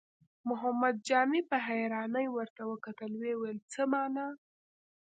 محمد جامي په حيرانۍ ورته وکتل، ويې ويل: څه مانا؟